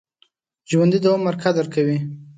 ژوندي د عمر قدر کوي